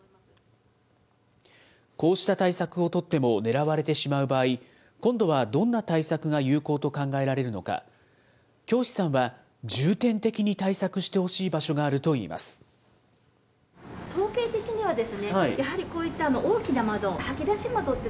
こうした対策を取っても狙われてしまう場合、今度はどんな対策が有効と考えられるのか、京師さんは重点的に対策してほしい場所があるといいます。